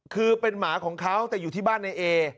คือเป็นหมาของเขาแต่อยู่ที่บ้านในเอ